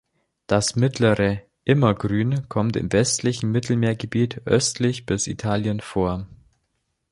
Das Mittlere Immergrün kommt im westlichen Mittelmeergebiet östlich bis Italien vor.